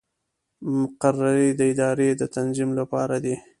مقررې د ادارو د تنظیم لپاره دي